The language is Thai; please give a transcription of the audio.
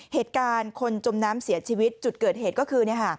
เหตุการณ์คนจมน้ำเสียชีวิตจุดเกิดเหตุก็คือ